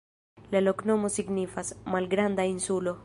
La loknomo signifas: malgranda insulo.